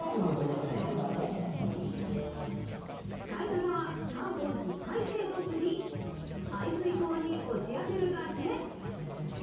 使い方は缶を１０回程度振り、排水口に押し当てるだけ。